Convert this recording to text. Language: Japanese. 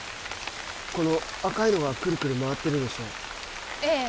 この赤いのがくるくる回ってるでしょええ